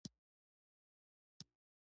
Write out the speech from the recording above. چین د تاریخي اقتصاد بیا احیا کړې.